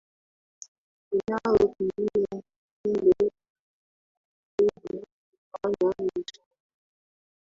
linalo tumia mutindo wa al alqeda kufanya mashambulio